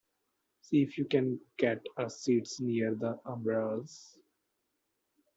See if you can get us seats near the umbrellas.